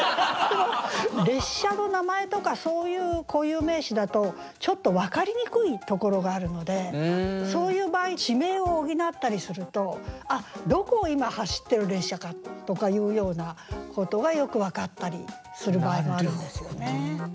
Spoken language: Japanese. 列車の名前とかそういう固有名詞だとちょっと分かりにくいところがあるのでそういう場合地名を補ったりするとどこを今走ってる列車かとかいうようなことがよく分かったりする場合もあるんですよね。